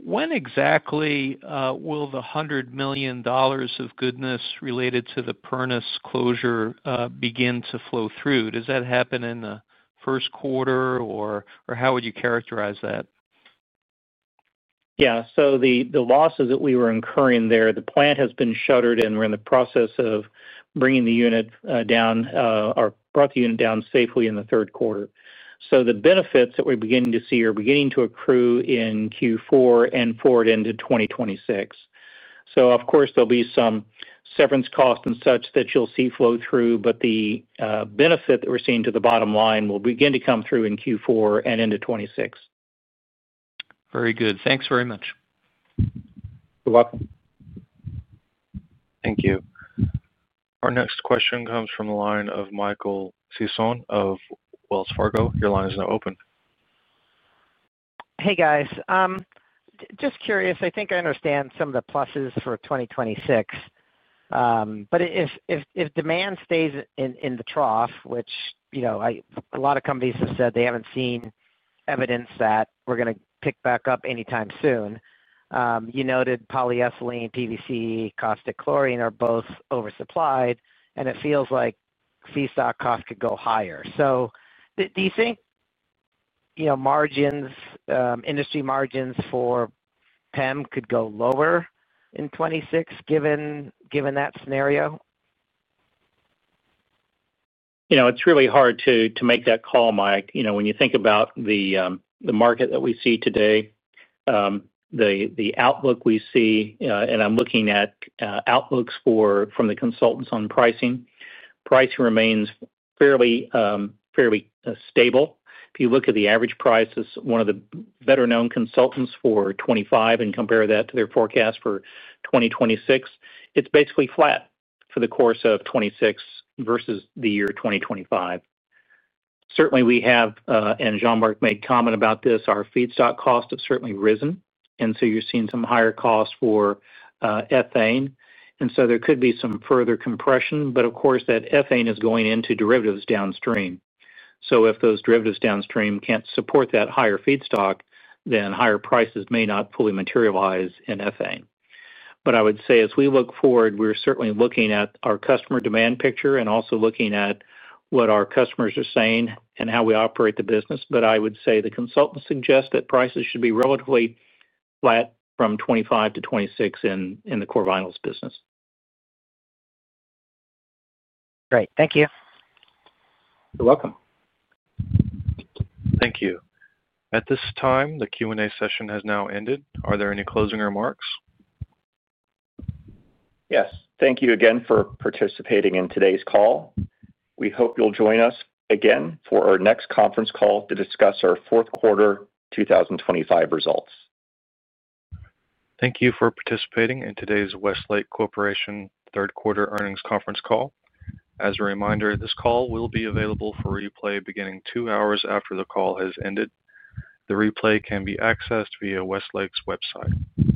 when exactly will the $100 million of goodness related to the Pernis closure begin to flow through? Does that happen in the first quarter or how would you characterize that? Yeah, the losses that we were incurring there, the plant has been shuttered and we're in the process of bringing the unit down or brought the unit down safely in the third quarter. The benefits that we're beginning to see are beginning to accrue in Q4 and forward into 2026. Of course, there'll be some severance cost and such that you'll see flow through, but the benefit that we're seeing to the bottom line will begin to come through in Q4 and into 2026. Very good. Thanks very much. You're welcome. Our next question comes from the line of Michael Sison of Wells Fargo. Your line is now open. Hey, guys, just curious. I think I understand some of the pluses for 2026, but if demand stays in the trough, which a lot of companies have said they haven't seen evidence that we're going to pick back up anytime soon. You noted polyethylene, PVC, caustic, chlorine are both oversupplied. It feels like feedstock costs could go higher. Do you think margins, industry margins for PEM could go lower in 2026, given that scenario? It's really hard to make that call, Mike, when you think about the market that we see today, the outlook we see, and I'm looking at outlooks from the consultants on pricing, price remains fairly stable. If you look at the average price as one of the better known consultants for 2025 and compare that to their forecast for 2026, it's basically flat for the course of 2026 versus the year 2025. Certainly we have, and Jean-Marc made comment about this, our feedstock costs have certainly risen, and you're seeing some higher costs for ethane, and there could be some further compression. Of course, that ethane is going into derivatives downstream. If those derivatives downstream can't support that higher feedstock, then higher prices may not fully materialize in ethane. I would say as we look forward, we're certainly looking at our customer demand picture and also looking at what our customers are saying and how we operate the business. I would say the consultants suggest that prices should be relatively flat from 2025 to 2026 in the core vinyls business. Great. Thank you. You're welcome. Thank you. At this time, the Q&A session has now ended. Are there any closing remarks? Yes. Thank you again for participating in today's call. We hope you'll join us again for our next conference call to discuss our fourth quarter results. Thank you for participating in today's Westlake Corporation third quarter earnings conference call. As a reminder, this call will be available for replay beginning two hours after the call has ended. The replay can be accessed via Westlake's website. Goodbye.